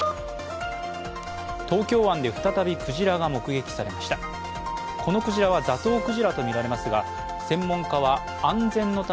東京湾で再びクジラが目撃されました。